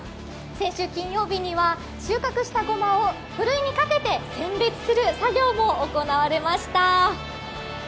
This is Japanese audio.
先週金曜日には収穫したごまをふるいにかけて選別する作業も行われました。